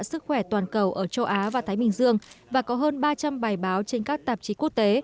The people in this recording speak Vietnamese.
sức khỏe toàn cầu ở châu á và thái bình dương và có hơn ba trăm linh bài báo trên các tạp chí quốc tế